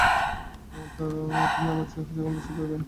আমার ধারণা, তিনি আমার চেয়ে হাজার গুণ বেশি ভয় পেয়েছেন।